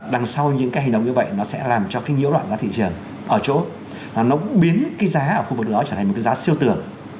đằng sau những cái hành động như vậy nó sẽ làm cho cái nhiễu loạn giá thị trường ở chỗ nó biến cái giá ở khu vực đó trở thành một cái giá siêu tưởng